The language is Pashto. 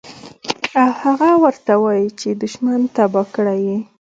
او هغه ورته وائي چې دشمن تباه کړے ئې